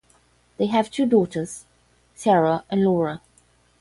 They have two daughters, Sarah and Laura.